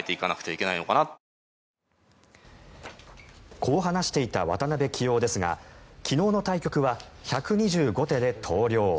こう話していた渡辺棋王ですが昨日の対局は１２５手で投了。